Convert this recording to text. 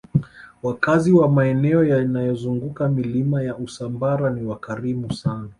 wakazi wa maeneo yanayozunguka milima ya usambara ni wakarimu sana